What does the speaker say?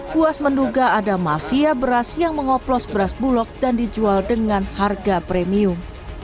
buas menduga ada mafia beras yang mengoplos beras bulog dan dijual dengan harga premium